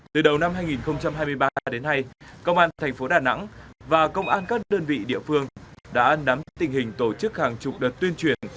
từ đầu năm hai nghìn hai mươi ba đến nay công an thành phố đà nẵng và công an các đơn vị địa phương đã nắm tình hình tổ chức hàng chục đợt tuyên truyền